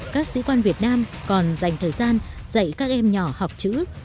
các sĩ quan việt nam còn dành thời gian dạy các em nhỏ học chữ